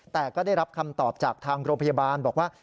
แต่ก็ได้รับคำตอบจากทางโรงพยาบาลบอกว่า